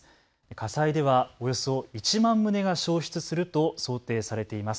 火災ではおよそ１万棟が焼失すると想定されています。